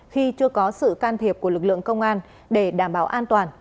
khi chưa có sự can thiệp của lực lượng công an để đảm bảo an toàn